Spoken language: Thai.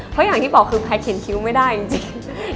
เพราะอย่างที่บอกคือแพทย์เขียนคิ้วไม่ได้จริง